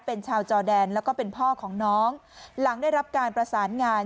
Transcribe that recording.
เป็นชาวจอแดนแล้วก็เป็นพ่อของน้องหลังได้รับการประสานงาน